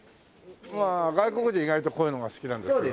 まあ外国人は意外とこういうのが好きなんですよね。